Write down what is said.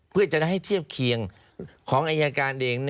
เพื่อจะได้ให้เทียบเคียงของอายการเอง